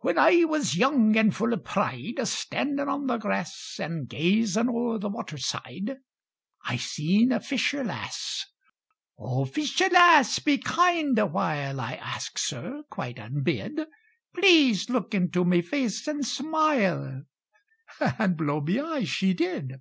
When I was young and full o' pride, A standin' on the grass And gazin' o'er the water side, I seen a fisher lass. "O, fisher lass, be kind awhile," I asks 'er quite unbid. "Please look into me face and smile" And, blow me eyes, she did!